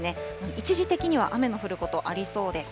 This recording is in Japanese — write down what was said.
一時的には雨の降ることありそうです。